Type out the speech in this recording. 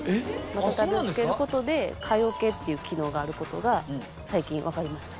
マタタビをつけることで蚊除けって機能があることが最近分かりました